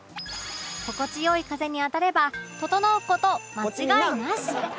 心地良い風に当たればととのう事間違いなし